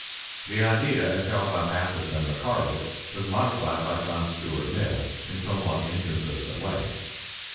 The idea as held by Malthus and Ricardo was modified by John Stuart Mill in somewhat inconsistent ways.